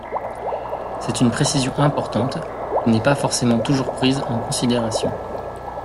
C’est une précision importante, qui n’est pas forcément toujours prise en considération.